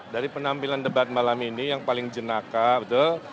dari penampilan debat malam ini yang paling jenaka betul